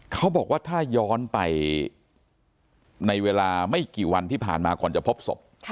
เขาบอกว่าถ้าย้อนไปในเวลาไม่กี่วันที่ผ่านมาก่อนจะพบศพ